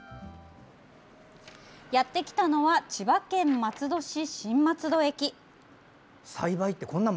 やってきたのは千葉県松戸市、新松戸駅。